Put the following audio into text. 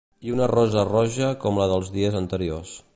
I una rosa roja com la dels dies anteriors.